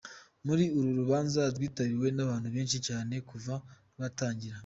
Muri uru rubanza rwitabiriwe n’abantu benshi cyane kuva rwatangira, Maj.